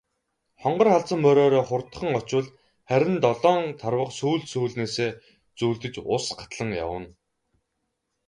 Хонгор халзан мориороо хурдлан очвол харин долоон тарвага сүүл сүүлнээсээ зүүлдэж ус гатлан явна.